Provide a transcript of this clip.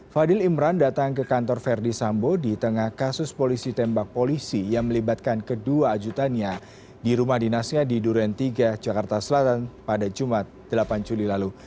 fadil imran datang ke kantor verdi sambo di tengah kasus polisi tembak polisi yang melibatkan kedua ajutannya di rumah dinasnya di duren tiga jakarta selatan pada jumat delapan juli lalu